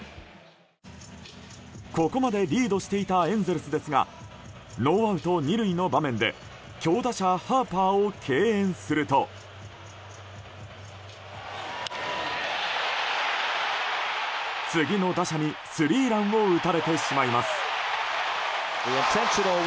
ここまでリードしていたエンゼルスですがノーアウト２塁の場面で強打者ハーパーを敬遠すると次の打者にスリーランを打たれてしまいます。